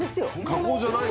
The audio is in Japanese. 加工じゃないの？